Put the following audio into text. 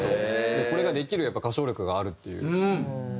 これができる歌唱力があるっていう。